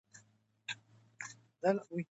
د بې ځایه لګښتونو څخه ډډه وکړئ.